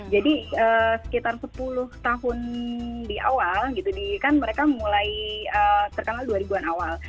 jadi sekitar sepuluh tahun di awal gitu kan mereka mulai terkenal dua ribu an awal